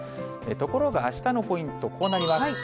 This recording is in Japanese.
ところが、あしたのポイント、こうなります。